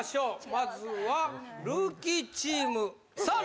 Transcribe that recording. まずはルーキーチームさあ